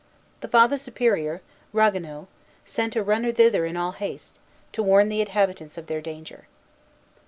The Father Superior, Ragueneau, sent a runner thither in all haste, to warn the inhabitants of their danger.